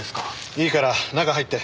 いいから中入って。